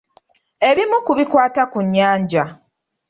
Ebimu ku bikwata ku nnyanja.